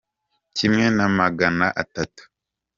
kimwe na magana atatu.